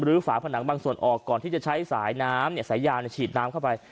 ฝาผนังบางส่วนออกก่อนที่จะใช้สายน้ำสายยางฉีดน้ำเข้าไป